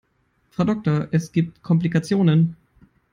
Frau Doktor, es gibt Komplikationen.